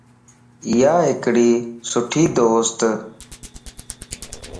ايا ھڪڙي سٺي دوستَ